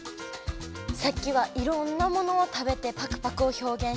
さっきはいろんなものを食べて「パクパク」をひょうげんしたの。